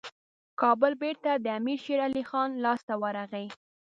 کابل بیرته د امیر شېرعلي خان لاسته ورغی.